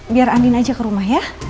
biar andin aja ke rumah ya